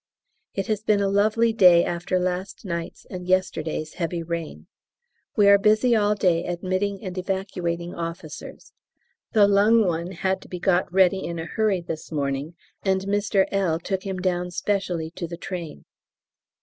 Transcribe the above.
It has been a lovely day after last night's and yesterday's heavy rain. We are busy all day admitting and evacuating officers. The lung one had to be got ready in a hurry this morning, and Mr L. took him down specially to the train.